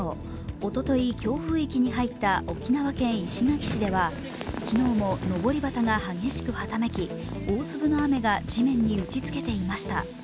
おととい、強風域に入った沖縄県石垣市では昨日ものぼり旗が激しくはためき大粒の雨が地面に打ちつけていました。